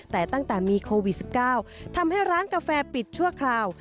แต่ตั้งแต่มีโควิด๑๙ทำให้ร้านกาแฟปิดชั่วคราว